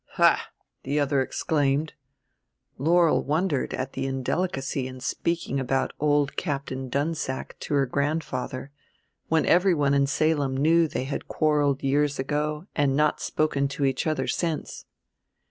"Ha!" the other exclaimed. Laurel wondered at the indelicacy in speaking about old Captain Dunsack to her grandfather, when everyone in Salem knew they had quarreled years ago and not spoken to each other since.